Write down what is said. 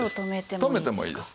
止めてもいいです。